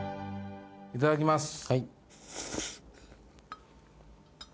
いただきます